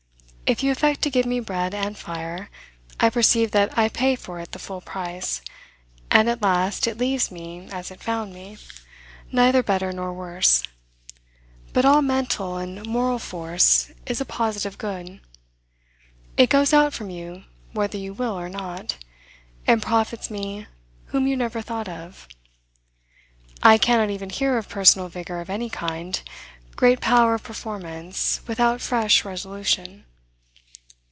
If you affect to give me bread and fire, I perceive that I pay for it the full price, and at last it leaves me as it found me, neither better nor worse: but all mental and moral force is a positive good. It goes out from you whether you will or not, and profits me whom you never thought of. I cannot even hear of personal vigor of any kind, great power of performance, without fresh resolution.